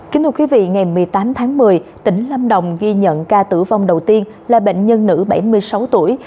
kính thưa quý vị ngày một mươi tám tháng một mươi tỉnh lâm đồng ghi nhận ca tử vong đầu tiên là bệnh nhân nữ bảy mươi sáu tuổi